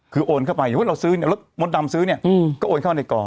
คือโอนเข้าไปสมมุติเราซื้อเนี่ยรถมดดำซื้อเนี่ยก็โอนเข้าในกอง